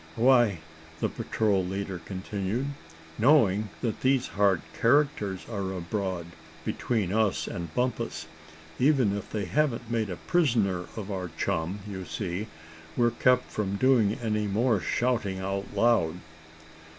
"Why," the patrol leader continued; "knowing that these hard characters are abroad, between us and Bumpus, even if they haven't made a prisoner of our chum, you see, we're kept from doing any more shouting out loud."